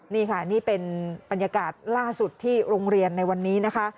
นี่ค่ะนี่เป็นบรรยากาศล่าสุดที่โรงเรียนในวันนี้นะคะ